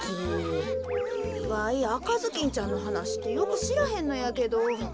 わいあかずきんちゃんのはなしってよくしらへんのやけど。